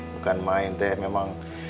bukan main teh memang